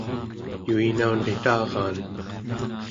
yuinaunritaraan